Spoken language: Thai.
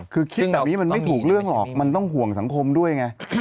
คือคิดแบบนี้มันไม่ถูกเรื่องหรอกมันต้องห่วงสังคมด้วยไง